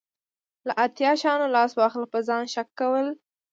له اتو شیانو لاس واخله په ځان شک کول.